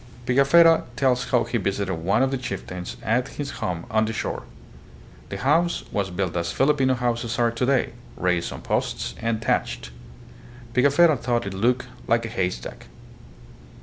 Pigafetta tells how he visited one of the chieftains at his home on the shore. The house was built as Filipino houses are today, raised on posts and thatched. Pigafetta thought it looked " like a haystack."